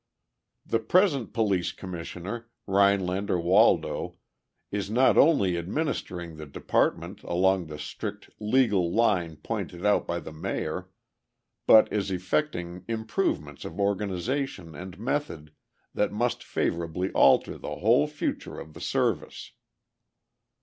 The present Police Commissioner, Rhinelander Waldo, is not only administering the department along the strict legal line pointed out by the Mayor, but is effecting improvements of organization and method that must favorably alter the whole future of the service.